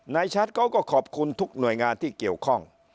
ชัดเขาก็ขอบคุณทุกหน่วยงานที่เกี่ยวข้อง